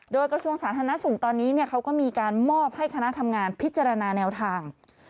โดยกระทรวงสาธารณสุขตอนนี้เขาก็มีการมอบให้คณะทำงานพิจารณาแนวทาง